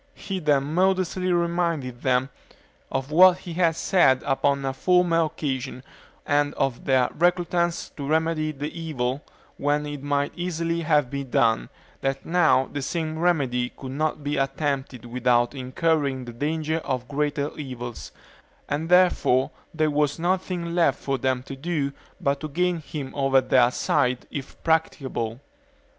He then modestly reminded them of what he had said upon a former occasion, and of their reluctance to remedy the evil when it might easily have been done; that now the same remedy could not be attempted without incurring the danger of greater evils, and therefore there was nothing left for them to do but to gain him over to their side, if practicable.